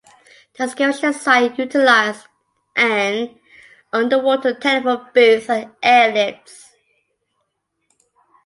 The excavation site utilized an underwater telephone booth and air-lifts.